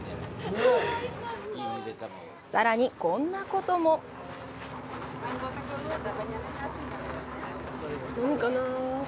さらに、こんなことも何かな？